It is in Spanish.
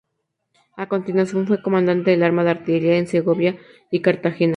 A continuación fue comandante del arma de Artillería en Segovia y Cartagena.